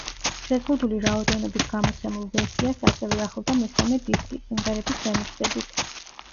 შეზღუდული რაოდენობით გამოცემულ ვერსიას ასევე ახლდა მესამე დისკი, სიმღერების რემიქსებით.